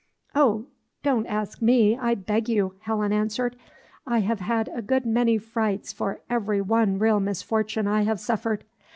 "Oh, don't ask me, I beg you," Helen answered. "I have had a good many frights for every one real misfortune I have suffered.